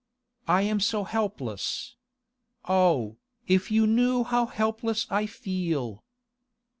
I am so helpless. Oh, if you knew how helpless I feel!